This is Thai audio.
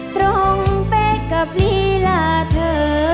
ตรงเป๊กกับลีลาเธอ